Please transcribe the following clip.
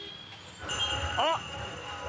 あっ。